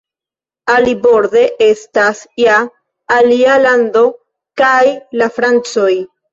Aliborde estas ja alia lando kaj la Francoj!